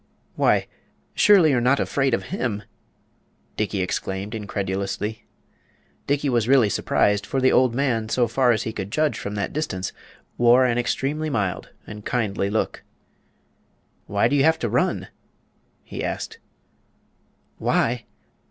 "Why, you're surely not afraid of him!" Dickey exclaimed incredulously. Dickey was really surprised, for the old man, so far as he could judge from that distance, wore an extremely mild and kindly look. "Why do you have to run?" he asked. "Why?